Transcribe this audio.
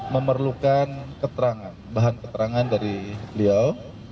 memerlukan keterangan bahan keterangan dari beliau